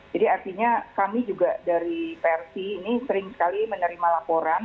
jadi artinya kami juga dari prt ini sering sekali menerima laporan